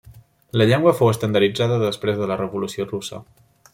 La llengua fou estandarditzada després de la Revolució russa.